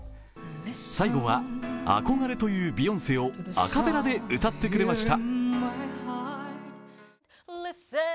最後は憧れというビヨンセをアカペラで歌ってくれました。